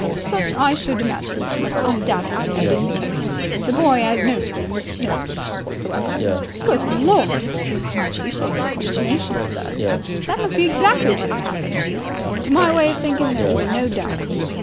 "Such, I should imagine, must undoubtedly have been the case. The boy 'as no scruples, no scruples whatsoever." "Good Lord!" "I appreciate your consternation, sir." "That must be exactly what has happened." "To my way of thinking there is no doubt of it.